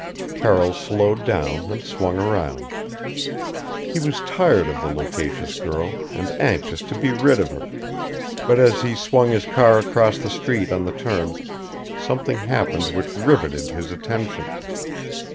Carroll slowed down and swung around. He was tired of the loquacious girl, and anxious to be rid of her; but as he swung his car across the street on the turn, something happened which riveted his attention.